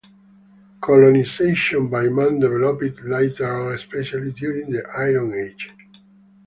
Colonisation by man developed later on, especially during the Iron Age.